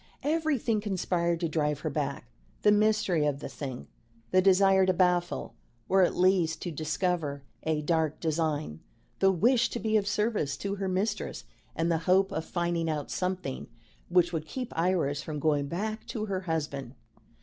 Everything conspired to drive her back: the mystery of the thing; the desire to baffle, or at least to discover, a dark design; the wish to be of service to her mistress; and the hope of finding out something which would keep Iris from going back to her husband.